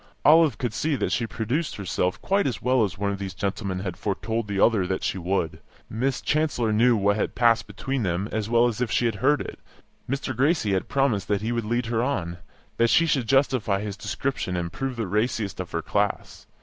Olive could see that she produced herself quite as well as one of these gentlemen had foretold the other that she would. Miss Chancellor knew what had passed between them as well as if she had heard it; Mr. Gracie had promised that he would lead her on, that she should justify his description and prove the raciest of her class.